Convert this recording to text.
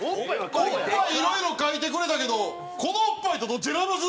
おっぱい色々描いてくれたけどこのおっぱいとどっち選びます？